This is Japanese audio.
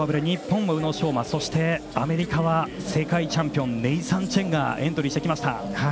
日本は宇野昌磨そしてアメリカは世界チャンピオンのネイサン・チェンがエントリーしてきました。